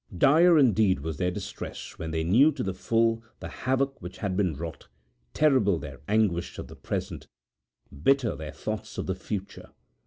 Dire indeed was their distress when they knew to the full the havoc which had been wrought; terrible their anguish of the present, bitter their thoughts of the future.